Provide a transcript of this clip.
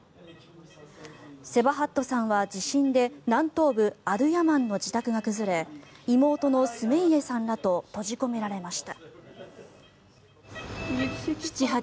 セバハットさんは地震で南東部アドゥヤマンの自宅が崩れ妹のスメイエさんらと閉じ込められました。